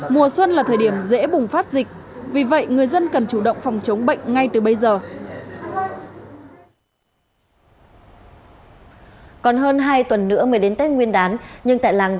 mùa xuân là thời điểm dễ bùng phát dịch vì vậy người dân cần chủ động phòng chống bệnh ngay từ bây giờ